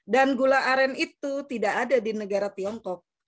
dan gula aren itu tidak ada di negara tiongkok